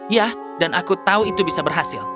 ya dan aku tahu itu bisa berhasil